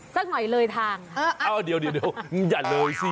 สักหน่อยเลยทางเออเอาเดี๋ยวอย่าเลยสิ